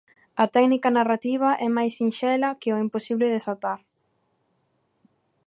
A técnica narrativa é máis sinxela que en O imposible de desatar.